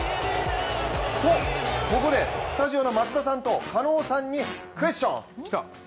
と、ここでスタジオの松田さんと狩野さんにクエスチョン！